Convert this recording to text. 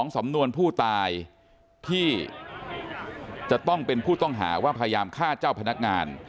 สำนวนผู้ตายที่จะต้องเป็นผู้ต้องหาว่าพยายามฆ่าเจ้าพนักงาน